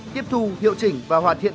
tiếp thu hiệu chỉnh và hoàn thiện